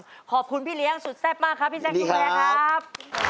ใช่ครับขอบคุณพี่เลี้ยงสุดแซ่บมากครับพี่แซ่งพี่เลี้ยงครับสวัสดีครับ